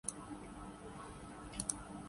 اگر دیکھا جائے تو پاکستان